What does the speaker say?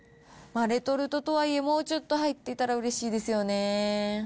レトルトとはいえ、もうちょっと入ってたらうれしいですよね。